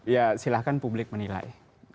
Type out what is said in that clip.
ya silahkan publik menilai